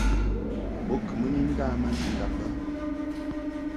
Bo kɨ mɨ ni nda ma nchudab bə.